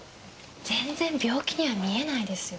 全然病気には見えないですよ。